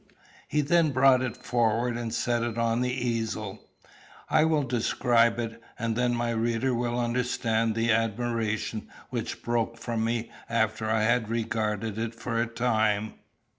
He then brought it forward and set it on the easel. I will describe it, and then my reader will understand the admiration which broke from me after I had regarded it for a time.